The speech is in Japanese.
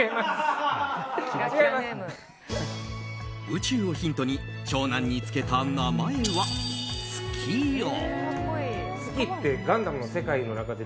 宇宙をヒントに長男につけた名前は月郎。